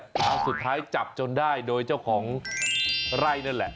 ครั้งสุดท้ายจับจนได้โดยเจ้าของไร่นั่นแหละ